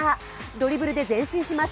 ドリブルで前進します。